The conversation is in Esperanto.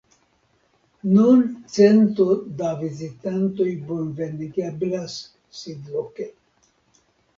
Nun cento da vizitantoj bonvenigeblas sidloke.